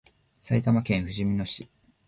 埼玉県ふじみ野市